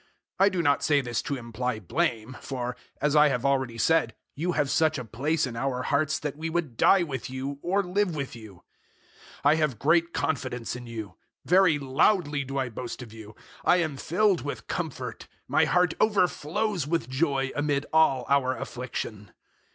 007:003 I do not say this to imply blame, for, as I have already said, you have such a place in our hearts that we would die with you or live with you. 007:004 I have great confidence in you: very loudly do I boast of you. I am filled with comfort: my heart overflows with joy amid all our affliction.